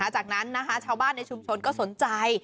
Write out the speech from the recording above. จากนั้นชาวบ้านในชุมชนก็สนใจ